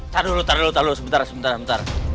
taduh lutar lutar lutar sebentar sebentar